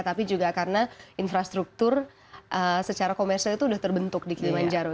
tapi juga karena infrastruktur secara komersial itu sudah terbentuk di kimanjaro